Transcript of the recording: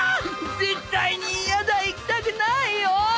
絶対に嫌だ行きたくないよ！